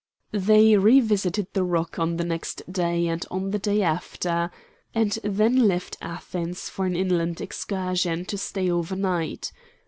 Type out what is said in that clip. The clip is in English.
They revisited the rock on the next day and on the day after, and then left Athens for an inland excursion to stay overnight.